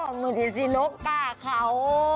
มือทีซี่หลบค้า